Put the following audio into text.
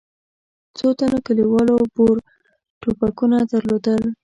څو تنو کلیوالو بور ټوپکونه درلودل.